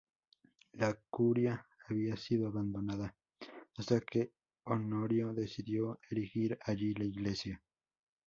La curia había sido abandonada hasta que Honorio decidió erigir allí la iglesia.